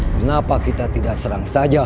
kenapa kita tidak serang saja